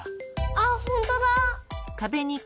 あっほんとうだ！